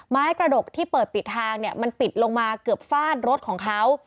กระดกที่เปิดปิดทางเนี่ยมันปิดลงมาเกือบฟาดรถของเขา